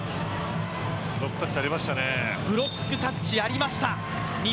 ブロックタッチありましたね。